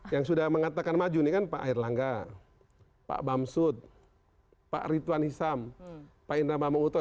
yang sudah mengatakan maju ini kan pak erlangga pak bamsud pak ritwan hisam pak indra mamuto